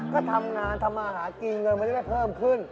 ก็ทำงานทำมาหากินเงินมันจะได้เพิ่มขึ้น